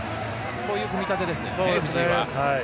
こういう組み立てですね、藤井は。